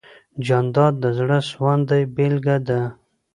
جانداد د زړه سواندۍ بېلګه ده.